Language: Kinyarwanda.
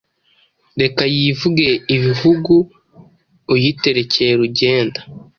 Reka yivuge ibihugu Uyiterekeye Rugenda